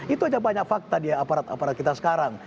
itu aja banyak fakta di aparat aparat kita sekarang